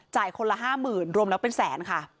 จ่ายคนละ๕๐๐๐๐บาทรวมแล้วเป็นแสนค่ะ